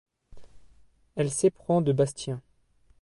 Elle s'éprend de Bastien.